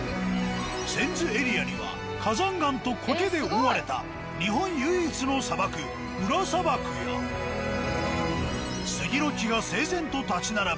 泉津エリアには火山岩と苔で覆われた日本唯一の砂漠裏砂漠や杉の木が整然と立ち並ぶ